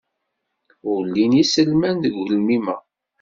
Ur llin yiselman deg ugelmim-a.